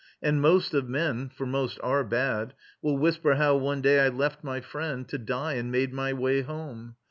And most of men For most are bad will whisper how one day I left my friend to die and made my way Home.